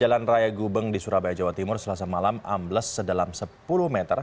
jalan raya gubeng di surabaya jawa timur selasa malam ambles sedalam sepuluh meter